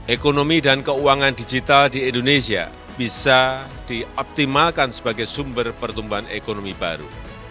ekonomi dan keuangan digital di indonesia bisa dioptimalkan sebagai sumber pertumbuhan ekonomi baru